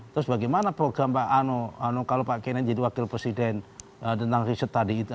terus bagaimana program pak ano kalau pak kenen jadi wakil presiden tentang riset tadi itu